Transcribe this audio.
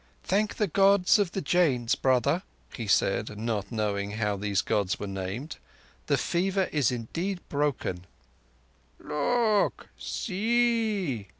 "Thank the Gods of the Jains, brother," he said, not knowing how those Gods were named. "The fever is indeed broken." "Look! See!"